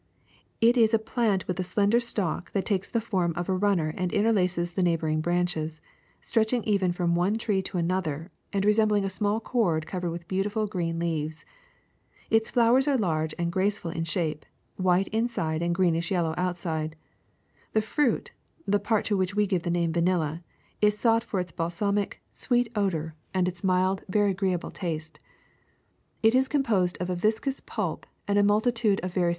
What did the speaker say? It is a plant with a slender stalk that takes the form of a runner and interlaces the neighboring branches, stretching even from one tree to another, and re sembling a small cord cov ered with beautiful green leaves. Its flowers are large and graceful in shape, white inside, and greenish yellow outside. The fruit, the part to which we give the name vanilla, is sought for its balsamic, sweet odor and its mild, Flowering Branch of Vanilla Plant a, the fruit.